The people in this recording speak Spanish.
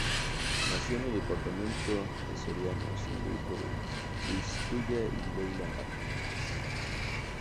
Nació en el departamento de Soriano, siendo hijo de Luis Tuya y Leila Martínez.